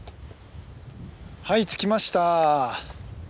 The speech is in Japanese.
はい着きました。